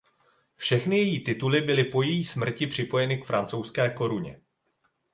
Všechny její tituly byly po její smrti připojeny k francouzské koruně.